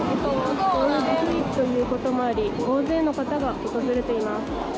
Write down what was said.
ゴールデンウィークということもあり大勢の方が訪れています。